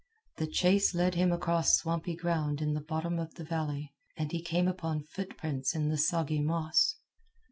The chase led him across swampy ground in the bottom of the valley, and he came upon footprints in the soggy moss.